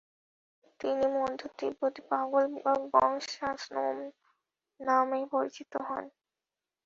তিনি মধ্য তিব্বতের পাগল বা গ্ত্সাং-স্ম্যোন নামে পরিচিত হন।